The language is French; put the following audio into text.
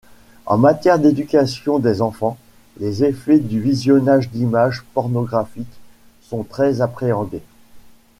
En matière d'éducation des enfants, les effets du visionnage d’images pornographiques sont très appréhendés.